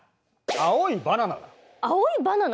青いバナナ！？